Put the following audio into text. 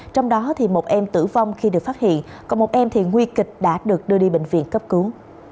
trong đó một em tử vong khi được phát hiện còn một em thì nguy kịch đã được đưa đi bệnh viện cấp cứu